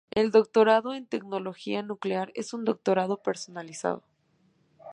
El Doctorado en Tecnología Nuclear es un doctorado personalizado.